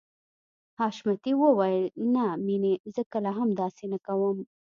حشمتي وويل نه مينې زه کله هم داسې نه کوم.